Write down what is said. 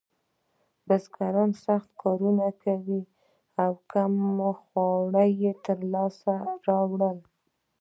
بزګرانو سخت کار کاوه او کم خواړه یې لاسته راوړل.